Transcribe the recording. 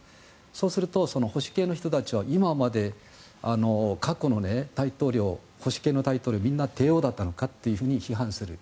そうすると保守系の人たちは今まで過去の保守系の大統領はみんな帝王だったのかと批判する。